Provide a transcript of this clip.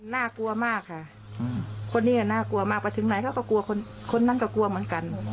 น่ากลัวมากค่ะคนนี้น่ากลัวมากไปถึงไหนเขาก็กลัวคนนั้นก็กลัวเหมือนกัน